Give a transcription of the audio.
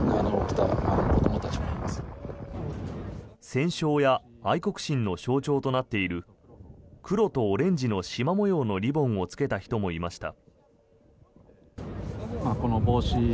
戦勝や愛国心の象徴となっている黒とオレンジのしま模様のリボンを着けた人もいました。